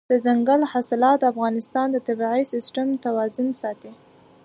دځنګل حاصلات د افغانستان د طبعي سیسټم توازن ساتي.